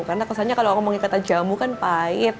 karena kesannya kalau ngomongin kata jamu kan pahit